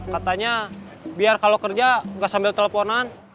katanya biar kalau kerja gak sambil telponan